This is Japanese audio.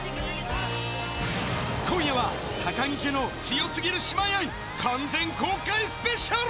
今夜は、高木家の強すぎる姉妹愛完全公開スペシャル。